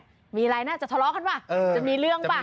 เกิดจะเจอเรื่องมั้ย